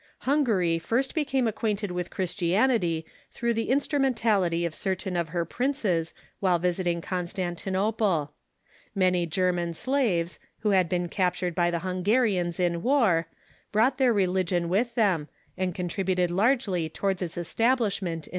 Hungary first became acquainted with Christianity through the instrumentality of certain of her princes while visiting NEW MISSIONS 143 Constantinople. Many German slaves, who had been captured by the Hungarians in war, brought their religion with them, and contributed larsjely towards its establishment in Hungary